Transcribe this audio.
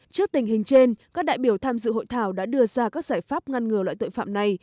trước tình hình trên các đại biểu tham dự hội thảo đã đưa ra các giải pháp ngăn ngừa loại tội phạm này